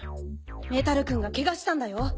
メタルくんがけがしたんだよ。